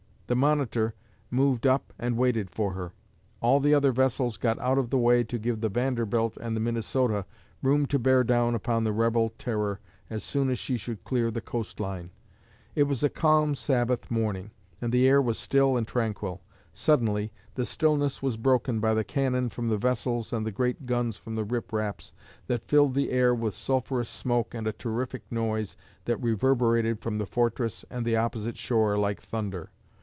The 'Monitor' moved up and waited for her. All the other vessels got out of the way to give the 'Vanderbilt' and the 'Minnesota' room to bear down upon the rebel terror as soon as she should clear the coast line. It was a calm Sabbath morning, and the air was still and tranquil. Suddenly the stillness was broken by the cannon from the vessels and the great guns from the Rip Raps, that filled the air with sulphurous smoke and a terrific noise that reverberated from the fortress and the opposite shore like thunder.